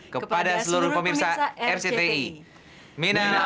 kepada seluruh pemerintah dan pemerintah di indonesia